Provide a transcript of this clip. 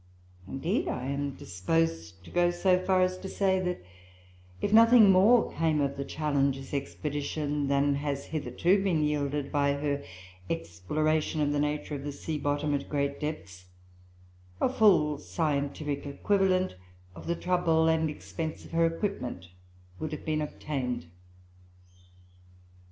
Indeed, I am disposed to go so far as to say, that if nothing more came of the Challengers expedition than has hitherto been yielded by her exploration of the nature of the sea bottom at great depths, a full scientific equivalent of the trouble and expense of her equipment would have been obtained. [Footnote 1: See the preceding Essay.